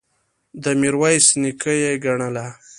د میرویس نیکه یې ګڼله.